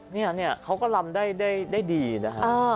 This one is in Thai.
นี่เขาก็รำได้ดีนะครับ